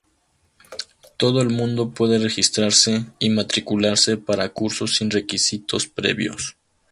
Todo el mundo puede registrarse y matricularse para cursos sin requisitos previos.